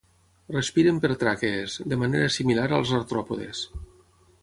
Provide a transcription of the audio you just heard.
Respiren per tràquees, de manera similar als artròpodes.